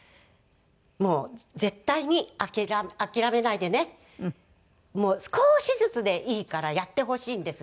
もう絶対に諦めないでね少しずつでいいからやってほしいんですね。